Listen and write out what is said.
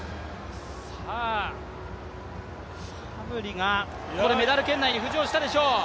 ファブリがメダル圏内に浮上したでしょう。